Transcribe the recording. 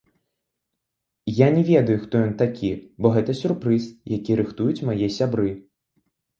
Я не ведаю, хто ён такі, бо гэта сюрпрыз, які рыхтуюць мае сябры.